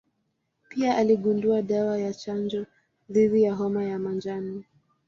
Pia aligundua dawa ya chanjo dhidi ya homa ya manjano.